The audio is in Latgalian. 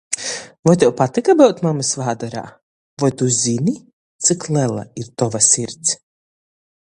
Voi tev patyka byut mamys vādarā? Voi tu zyni, cik lela ir tova sirds?